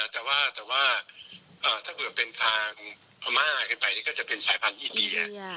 แต่ว่าถ้าเผื่อเป็นทางพม่าขึ้นไปนี่ก็จะเป็นสายพันธุ์อินเดีย